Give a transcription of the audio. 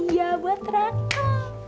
ya buat raka